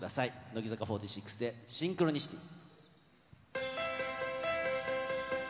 乃木坂４６でシンクロニシティ。